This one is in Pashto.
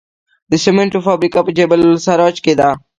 د سمنټو فابریکه په جبل السراج کې ده